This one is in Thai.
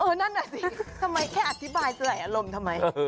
นั่นอ่ะสิทำไมแค่อธิบายสลายอารมณ์ทำไม